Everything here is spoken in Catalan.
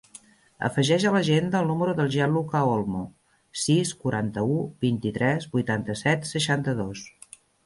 Afegeix a l'agenda el número del Gianluca Olmo: sis, quaranta-u, vint-i-tres, vuitanta-set, seixanta-dos.